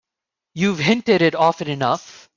You've hinted it often enough.